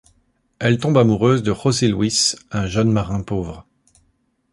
Elle tombe amoureuse de José Luis, un jeune marin pauvre.